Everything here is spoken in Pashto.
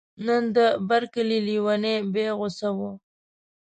نن د بر کلي لیونی بیا غوصه و.